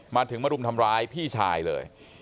มาถึงมารุมทำร้ายพี่ชายเลย